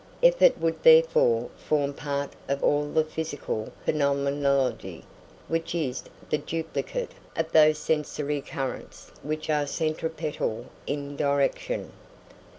Effort would therefore form part of all the psychical phenomenology, which is the duplicate of those sensory currents which are centripetal in direction.